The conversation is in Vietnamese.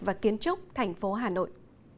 và kiến trúc thành phố hà nội